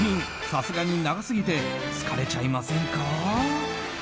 さすがに長すぎて疲れちゃいませんか？